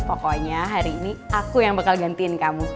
pokoknya hari ini aku yang bakal gantiin kamu